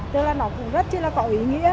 thế là nó cũng rất là có ý nghĩa